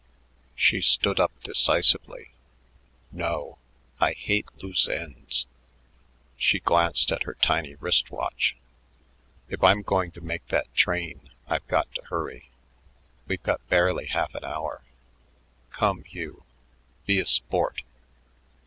She stood up decisively. "No. I hate loose ends." She glanced at her tiny wrist watch. "If I'm going to make that train, I've got to hurry. We've got barely half an hour. Come, Hugh. Be a sport."